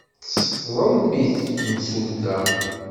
Tesseḍlem-it temsulta.